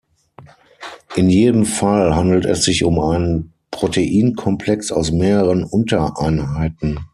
In jedem Fall handelt es sich um einen Proteinkomplex aus mehreren Untereinheiten.